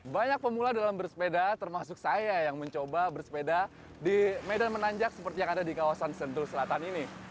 banyak pemula dalam bersepeda termasuk saya yang mencoba bersepeda di medan menanjak seperti yang ada di kawasan sentul selatan ini